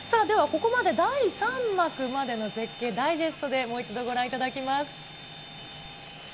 ではここまで、第３幕までの絶景、ダイジェストで、もう一度ご覧いただきます。